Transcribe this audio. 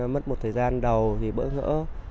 mất một thời gian đầu thì bỡ ngỡ